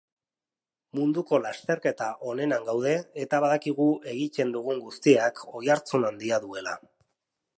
Munduko lasterketa onenan gaude, eta badakigu egiten dugun guztiak oihartzun handia duela.